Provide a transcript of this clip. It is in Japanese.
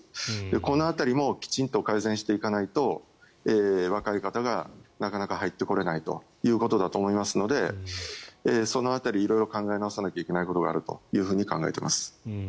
この辺りもきちんと改善していかないと若い方がなかなか入ってこれないということだと思いますのでその辺り色々考え直さなきゃいけない部分があると考えています。